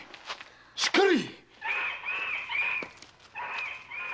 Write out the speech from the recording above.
しっかり！